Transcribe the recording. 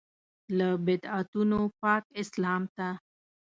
له بدعتونو پاک اسلام ته.